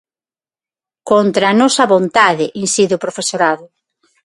"Contra a nosa vontade" incide o profesorado.